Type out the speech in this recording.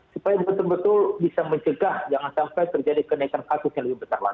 supaya betul betul bisa mencegah jangan sampai terjadi kenaikan kasus yang lebih besar lagi